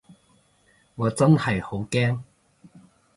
我真係好驚